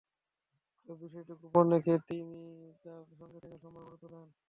তবে বিষয়টি গোপন রেখে তিনি তাঁর সঙ্গে প্রেমের সম্পর্ক গড়ে তোলেন।